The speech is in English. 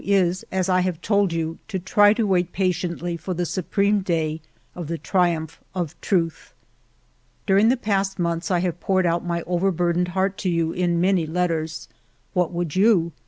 ALFRED DREYFUS 261 Is, as I have told you, to try to wait patiently for the supreme day of the triumph of truth. " During the last months I have poured out my overburdened heart to you in many letters. What would you?